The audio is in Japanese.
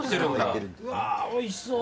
うわーおいしそう。